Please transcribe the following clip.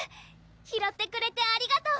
拾ってくれてありがとう！